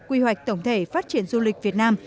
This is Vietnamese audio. quy hoạch tổng thể phát triển du lịch việt nam